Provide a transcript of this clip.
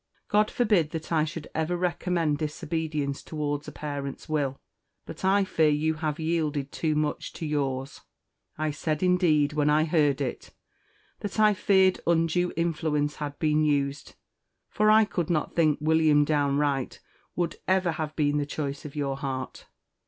God forbid that I should ever recommend disobedience towards a parent's will; but I fear you have yielded too much to yours. I said, indeed, when I heard it, that I feared undue influence had been used; for that I could not think William Downe Wright would ever have been the choice of your heart.